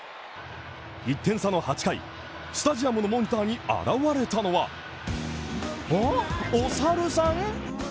１点差の８回、スタジアムのモニターに現れたのはお猿さん